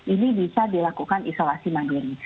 ini bisa dilakukan isolasi mandiri